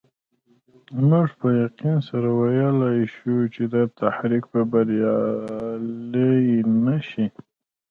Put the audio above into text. موږ په یقین سره ویلای شو چې دا تحریک به بریالی نه شي.